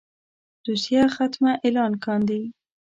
دوسيه ختمه اعلان کاندي.